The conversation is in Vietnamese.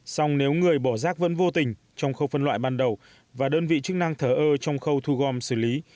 xong nếu người bỏ rác vẫn vô tình trong khâu phân loại ban đầu và đơn vị chức năng thở ơ trong khâu thu gom xử lý